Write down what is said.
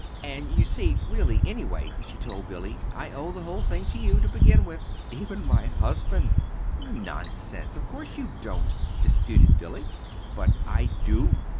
"And you see, really, anyway," she told Billy, "I owe the whole thing to you, to begin with even my husband." "Nonsense! Of course you don't," disputed Billy. "But I do.